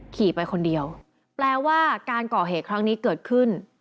ขี่ไปคนเดียวแปลว่าการก่อเหตุครั้งนี้เกิดขึ้น